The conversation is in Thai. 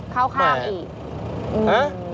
เข้าข้างอีกนะ